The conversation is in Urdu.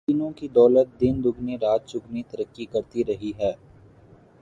تینوں کی دولت دن دگنی رات چوگنی ترقی کرتی رہی ہے۔